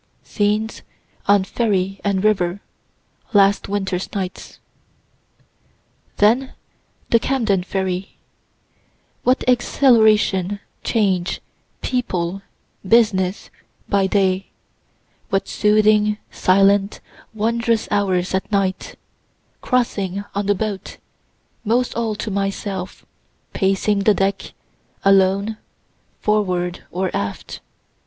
SCENES ON FERRY AND RIVER LAST WINTER'S NIGHTS Then the Camden ferry. What exhilaration, change, people, business, by day. What soothing, silent, wondrous hours, at night, crossing on the boat, most all to myself pacing the deck, alone, forward or aft.